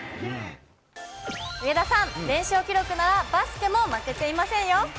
上田さん、連勝記録ならバスケも負けていませんよ。